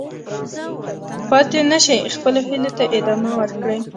پاتې نه شئ، خپلو هیلو ته ادامه ورکړئ.